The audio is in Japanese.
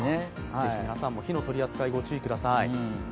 皆さんも火の取扱い、ご注意ください。